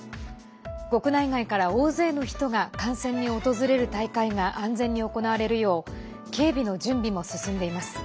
国内外から大勢の人が観戦に訪れる大会が安全に行われるよう警備の準備も進んでいます。